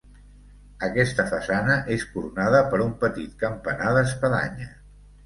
Aquesta façana és coronada per un petit campanar d'espadanya.